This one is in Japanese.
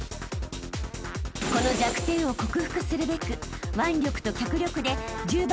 ［この弱点を克服するべく］